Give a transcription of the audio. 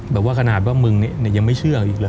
แบบว่าขนาดว่ามึงเนี่ยยังไม่เชื่ออีกเลย